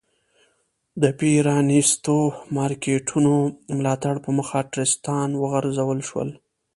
د پ رانیستو مارکېټونو ملاتړ په موخه ټرستان وغورځول شول.